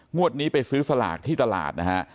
งวดนี้ไปซื้อสลากที่ตลาดนะฮะ